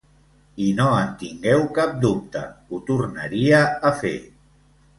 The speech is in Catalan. I no en tingueu cap dubte, ho tornaria a fer.